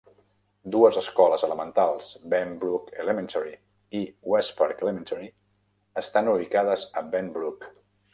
Dues escoles elementals, Benbrook Elementary i Westpark Elementary, estan ubicades a Benbrook.